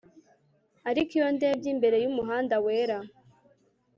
Ariko iyo ndebye imbere yumuhanda wera